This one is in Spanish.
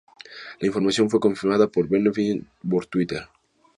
La información fue confirmada por Venevisión por Twitter.